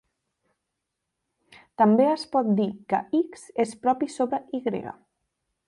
També es pot dir que "X" és propi sobre "Y".